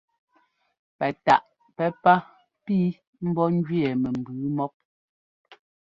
Pɛ taʼ pɛ́pá pii mbɔ́ ɛ́njʉɛ mɛ mbʉʉ mɔ́p.